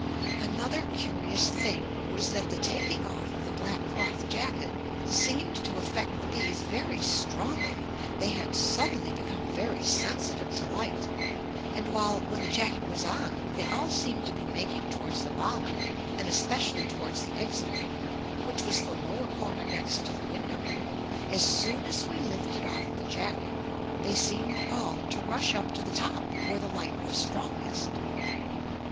Another curious thing was that the taking off of the black cloth jacket seemed to affect the bees very strongly. They had suddenly become very sensitive to light, and while, when the jacket was on, they all seemed to be making towards the bottom and especially towards the exit corner, which was the lower corner next to the window, as soon as we lifted off the jacket they seemed all to rush up to the top where the light was strongest.